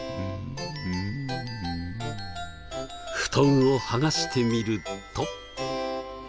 布団を剥がしてみると。